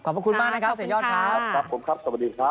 ขอบพระคุณค่ะขอบคุณค่ะ